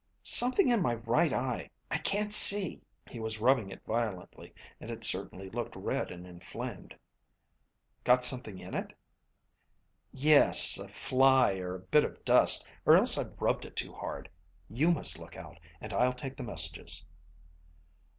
"Something in my right eye. I can't see." He was rubbing it violently, and it certainly looked red and inflamed. "Got something in it?" "Yes, a fly or a bit of dust, or else I've rubbed it too hard. You must look out, and I'll take the messages."